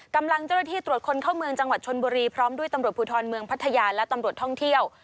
กำลังเจ้าหน้าที่ตรวจคนเข้าเมืองจังหวัดชนบุรีพร้อมด้วยตำรวจภูทรเมืองพัทยาและตำรวจท่องเที่ยว